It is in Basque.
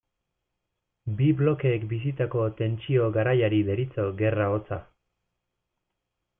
Bi blokeek bizitako tentsio garaiari deritzo Gerra hotza.